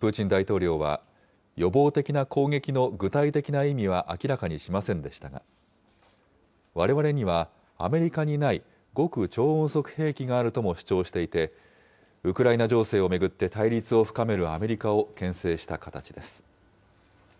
プーチン大統領は、予防的な攻撃の具体的な意味は明らかにしませんでしたが、われわれにはアメリカにない極超音速兵器があるとも主張していて、ウクライナ情勢を巡って対立を深めるアメリカをけん制した形です。